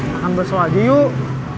makan bersuhu aja yuk